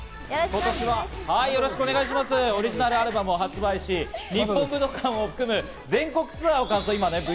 今年はオリジナルアルバムを発売し、日本武道館を含む、全国ツアーを完走。